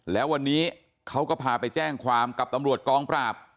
แล้ววันนี้เขาก็พาไปแจ้งความกับตำรวจกองปราบ